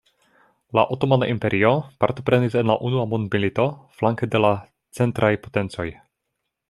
La Otomana Imperio partoprenis en la Unua Mondmilito flanke de la Centraj potencoj.